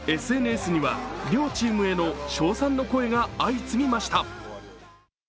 ＳＮＳには両チームへの称賛の声が相次ぎました。